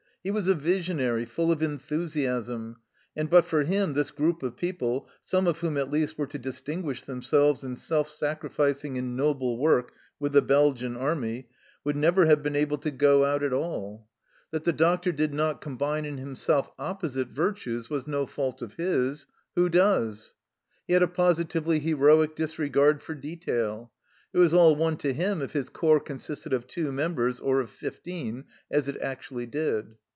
He was a visionary, full of enthusiasm, and but for him this group of people, some of whom at least were to distinguish themselves in self sacrificing and noble work with the Belgian Army, would never have been able to go out at 4 THE CELLAR HOUSE OF PERVYSE all. That the doctor did not combine in himself opposite virtues was no fault of his who does ? He had a positively heroic disregard for detail ; it was all one to him if his corps consisted of two members or of fifteen, as it actually did.